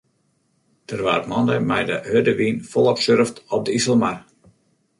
Der waard moandei mei de hurde wyn folop surft op de Iselmar.